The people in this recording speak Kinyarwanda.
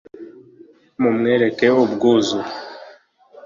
Mumwereke ubwuzu